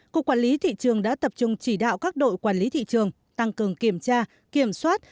cục quản lý thị trường đã tập trung chỉ đạo các đội quản lý thị trường tăng cường kiểm tra kiểm soát